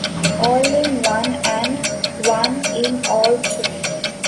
All in one and one in all too.